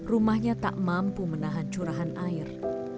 rumahnya tak mampu menahan curahan air